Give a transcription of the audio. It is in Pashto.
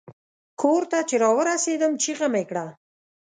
کور ته چې را ورسیدم چیغه مې کړه.